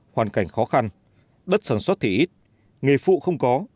hoàn cảnh khó khăn đất sản xuất thì ít nghề phụ không có